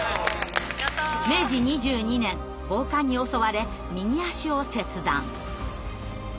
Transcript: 明治２２年暴漢に襲われ右足を切断。